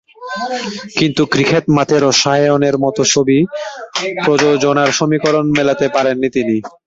কিন্তু ক্রিকেট মাঠের রসায়নের মতো ছবি প্রযোজনার সমীকরণ মেলাতে পারেননি তিনি।